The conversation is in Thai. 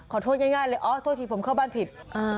เอ้าโทษอย่างง่ายเลยโทษทีผมเข้าโทษทีผมเข้าบ้านผิดอ่า